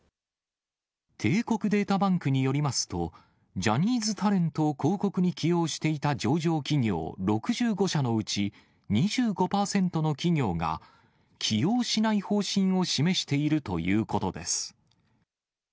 帝国データバンクによりますと、ジャニーズタレントを広告に起用していた上場企業６５社のうち、２５％の企業が、起用しない方針を示しているということです。